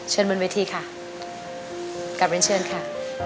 เชิญบนวีธีค่ะกลับเป็นเชิญค่ะ